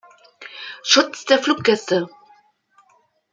Schutz der Fluggäste.